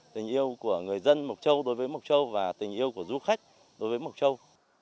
tình yêu của người dân mộc châu đối với mộc châu và tình yêu của du khách đối với mộc châu